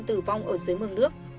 tử vong ở dưới mương nước